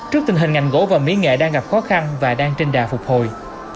trước tình hình ngành gỗ và mỹ nghệ đang gặp khó khăn và đang trên đà phục hồi